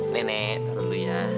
nenek taruh dulu ya